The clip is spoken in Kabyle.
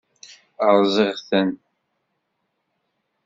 Rẓiɣ-ten.